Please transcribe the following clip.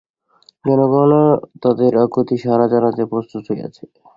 জনগণও তাদের আকুতিতে সাড়া জানাতে প্রস্তুত হয়ে আছে।